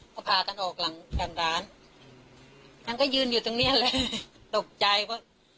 ก็พากันออกหลังกลางร้านมันก็ยืนอยู่ตรงเนี้ยเลยตกใจว่า